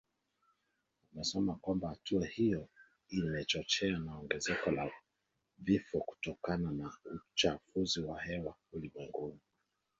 amesema kwamba hatua hiyo imechochewa na ongezeko la vifo kutokana na uchafuzi wa hewa ulimwenguni